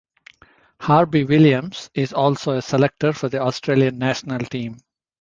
Harby-Williams is also a selector for the Australian National team.